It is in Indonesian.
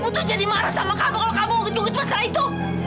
ibu tuh jadi marah sama kamu kalo kamu ngugit ngugit pasal itu